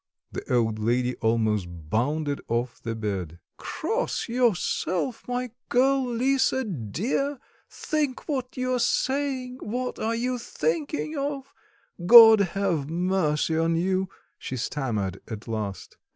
The old lady almost bounded off the bed. "Cross yourself, my girl, Lisa, dear, think what you are saying; what are you thinking of? God have mercy on you!" she stammered at last.